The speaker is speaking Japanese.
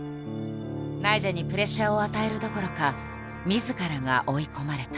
ナイジャにプレッシャーを与えるどころかみずからが追い込まれた。